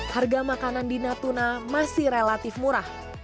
harga makanan di natuna masih relatif murah